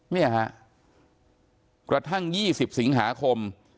เนี่ยฮะกระทั่ง๒๐สิงหาคม